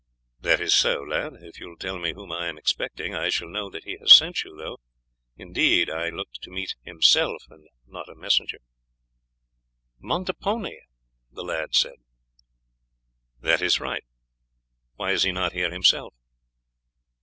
"That is so, lad. If you will tell me whom I am expecting I shall know that he has sent you, though, indeed, I looked to meet himself and not a messenger." "Montepone," the lad said. "That is right. Why is he not here himself?"